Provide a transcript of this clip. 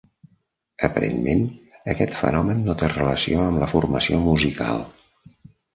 Aparentment, aquest fenomen no té relació amb la formació musical.